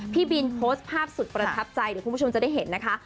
พี่บินโพสต์ภาพสุดประทับใจเดี๋ยวคุณผู้ชมจะได้เห็นนะคะ